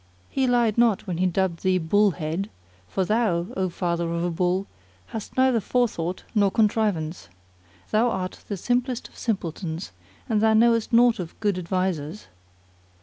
he lied not who dubbed thee Bull head, for thou, O father of a Bull, hast neither forethought nor contrivance; thou art the simplest of simpletons,[FN#27] and thou knowest naught of good advisers.